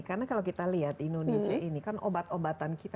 karena kalau kita lihat indonesia ini kan obat obatan kita